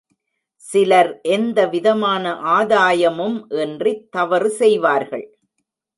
சிலர் எந்தவிதமான ஆதாயமும் இன்றித் தவறு செய்வார்கள்.